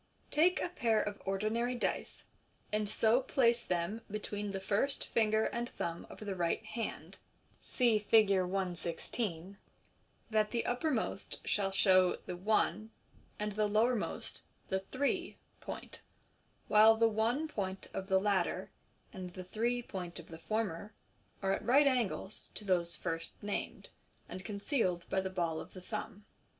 — Take a pair of ordinary dice, and so place them between the first ringer and thumb of the right hand (see Fig. 116), that the uppermost shall show the "one,'' and the lower most the " three " point, while the " one " point of the latter and the " three " point of the former are at right angles to those first named, and concealed by the ball of the thumb.